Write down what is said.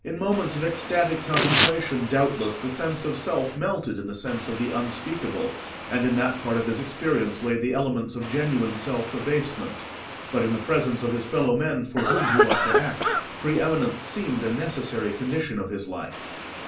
In moments of ecstatic contemplation, doubtless, the sense of self melted in the sense of the Unspeakable, and in that part of his experience lay the elements of genuine self abasement; but in the presence of his fellow men for whom he was to act, pre eminence seemed a necessary condition of his life.